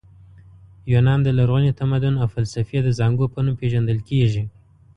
یونان د لرغوني تمدن او فلسفې د زانګو په نوم پېژندل کیږي.